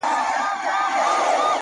ما خو گيله ترې په دې په ټپه کي وکړه-